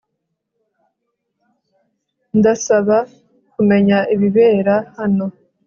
Ndasaba kumenya ibibera hano